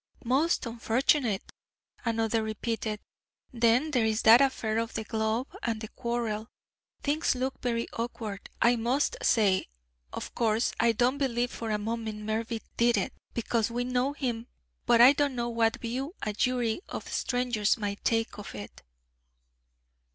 "Most unfortunate," another repeated. "Then there's that affair of the glove and the quarrel. Things look very awkward, I must say. Of course, I don't believe for a moment Mervyn did it, because we know him, but I don't know what view a jury of strangers might take of it."